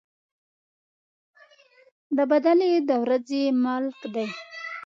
د بَدلې د ورځې مالك دی.